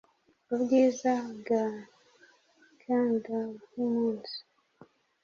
Ubwiza bwa candor yumunsi